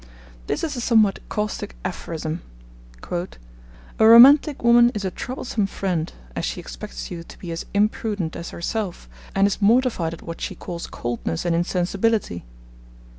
This is a somewhat caustic aphorism: 'A romantic woman is a troublesome friend, as she expects you to be as imprudent as herself, and is mortified at what she calls coldness and insensibility.'